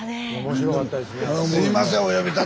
面白かったですね。